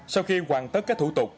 sau khi hoàn tất các thủ tục